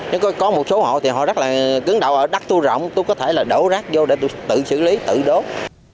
nếu có một số hộ thì họ rất là cứng đậu ở đất tu rộng tôi có thể là đổ rác vô để tôi tự xử lý tự đốt